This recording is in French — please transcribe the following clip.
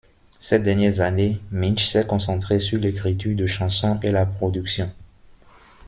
Ces dernières années, Mitch s'est concentré sur l'écriture de chansons et la production.